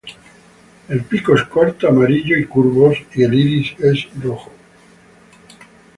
El pico es corto, amarillo y curvos y el iris es rojo.